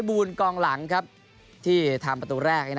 แม่มาเกียรตร์วันนี้ดิงประตู๑ขอมอบให้แม่